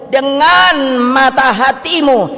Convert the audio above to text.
dengan mata hatimu